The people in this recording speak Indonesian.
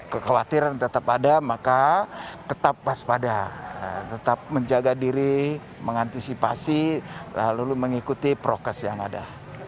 kekhawatiran tetap ada maka tetap pas pada tetap menjaga diri mengantisipasi lalu mengikuti prokes yang ada